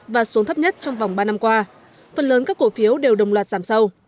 và xuống thấp nhất trong vòng ba năm qua phần lớn các cổ phiếu đều đồng loạt giảm sâu